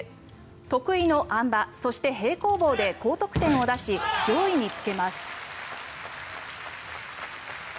得意のあん馬、そして平行棒で高得点を出し上位につけます。